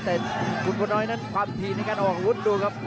แต่คุณพลน้อยนั้นความถี่ในการออกอาวุธดูครับ